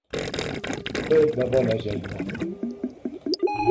Ser de bona jeia.